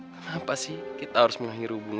kenapa sih kita harus mengakhiri hubungan